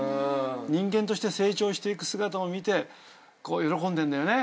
人間として成長していく姿を見てこう喜んでるんだよね。